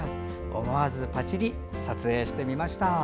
思わずパチリ、撮影してみました。